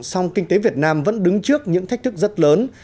song kinh tế việt nam vẫn đứng trước những thách thức rất lớn